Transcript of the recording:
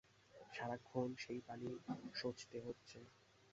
সারাক্ষণ সেই পানি সোঁচতে হচ্ছে।